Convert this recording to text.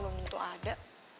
belum tentu ada